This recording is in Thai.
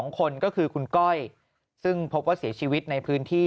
๒คนก็คือคุณก้อยซึ่งพบว่าเสียชีวิตในพื้นที่